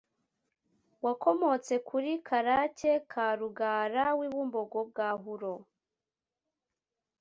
wakomotse kuri karake ka rugara w’i bumbogo bwa huro